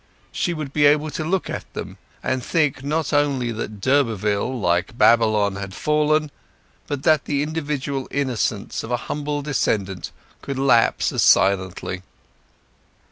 She would be able to look at them, and think not only that d'Urberville, like Babylon, had fallen, but that the individual innocence of a humble descendant could lapse as silently.